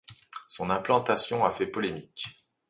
Son implantation a fait polémique.